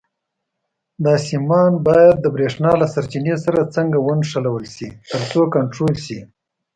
دا سیمان باید د برېښنا له سرچینې سره څنګه ونښلول شي ترڅو کنټرول شي.